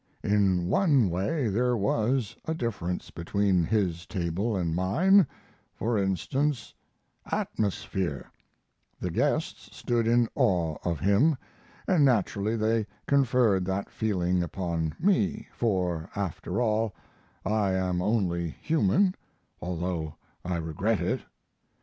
"In one way there was a difference between his table and mine for instance, atmosphere; the guests stood in awe of him, and naturally they conferred that feeling upon me, for, after all, I am only human, although I regret it.